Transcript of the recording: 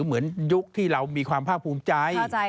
เหมือนยุคที่เรามีความภาคภูมิใจ